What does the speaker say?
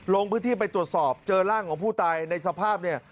ลงพื้นที่ไปตรวจสอบเจอร่างของผู้ตายในสภาพเนี่ย